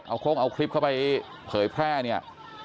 เอาโครงเอาคลิปเข้าไปเผยแพร่เนี่ย